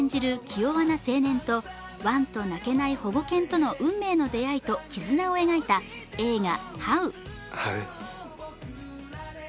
気弱な青年とワンと鳴けない保護犬との運命の出会いと絆を描いた映画「ハウ」。